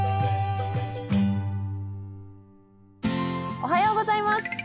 おはようございます。